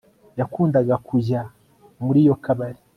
Yakundaga kujya muri iyo kabari